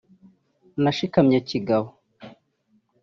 nashikamye kigabo